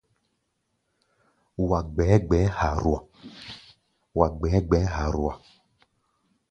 Wá̧á̧ gbɛ̧́ gbɛ̧ɛ̧́ ha̧a̧rua̧a̧.